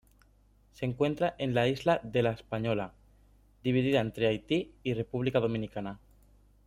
Se encuentra en las isla de La Española, dividida entre Haití y República Dominicana.